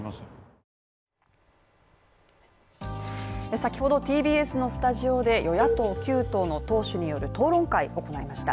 先ほどＴＢＳのスタジオで与野党９党の党首による討論会を行いました。